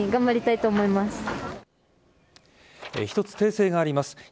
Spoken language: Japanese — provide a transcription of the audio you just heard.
１つ訂正があります。